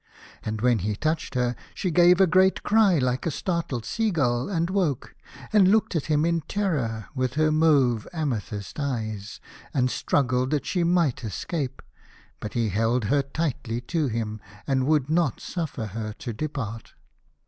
And when he touched her, she gave a cry like a startled sea gull and woke, and looked at him in terror with her mauve amethyst eyes, and struggled that she might escape. But he held her tightly to him, and would not suffer her to depart.